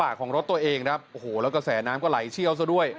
เป็นกระบะของรถตัวเองแล้วกระแสน้ำก็ไหลเชี่ยว